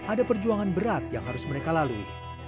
ada perjuangan berat yang harus mereka lalui